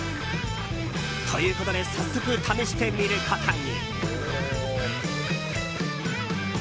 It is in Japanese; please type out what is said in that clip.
ということで早速、試してみることに。